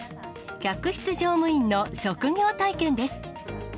客室乗務員の職業体験です。